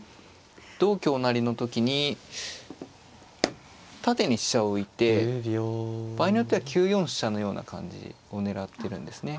同香成の時に縦に飛車を浮いて場合によっては９四飛車のような感じを狙ってるんですね。